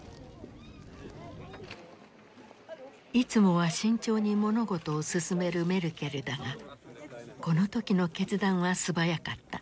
いつもは慎重に物事を進めるメルケルだがこの時の決断は素早かった。